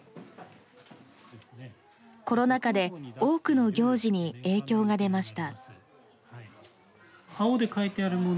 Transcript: コロナ禍で多くの行事に影響が出ました。